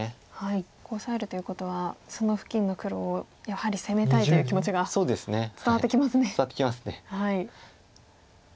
ここオサえるということはその付近の黒をやはり攻めたいという気持ちが伝わってきますね。